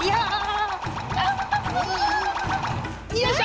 よいしょ！